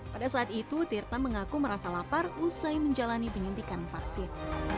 pada saat itu tirta mengaku merasa lapar usai menjalani penyuntikan vaksin